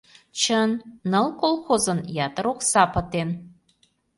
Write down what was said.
Чын, ныл колхозын ятыр окса пытен.